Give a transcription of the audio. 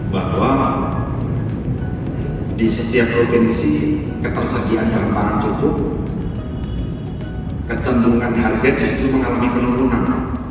bahwa di setiap provinsi ketersediaan daripada pangan cukup ketentungan harga tersebut mengalami penurunan